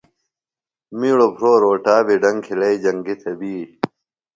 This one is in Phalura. می ڑوۡ بھرو روٹا بی ڈنگ کِھلئی جنگیۡ تھےۡ بی